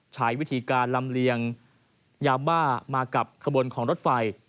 ใช้วิธีการลำเลียงยาบ้ามากับขบวนของรถไฟ